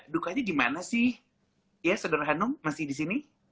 dukanya gimana sih ya sederhana hanum masih disini